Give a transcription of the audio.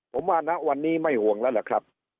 ผมว่าณวันนี้ไม่ห่วงแล้วล่ะครับ